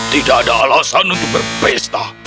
tidak ada alasan untuk berpesta